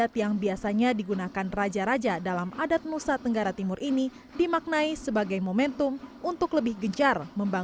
tanda bahwa kita bisa mencapai kemampuan kita